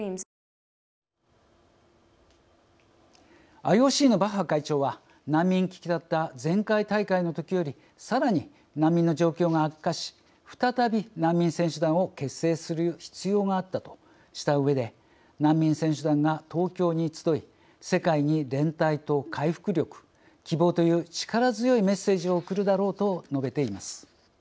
ＩＯＣのバッハ会長は難民危機だった前回大会のときよりさらに難民の状況が悪化し再び難民選手団を結成する必要があったとしたうえで「難民選手団が東京に集い世界に連帯と回復力希望という力強いメッセージを送るだろう」と述べています。